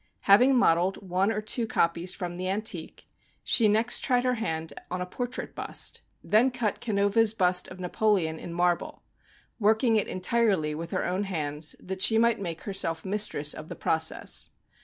Having modelled one or two copies from the antique, she next tried her hand on a portrait bust : then cut Canova's bust of Napoleon in marble, working it entirely with her own hands, that she might make herself mistress of the process.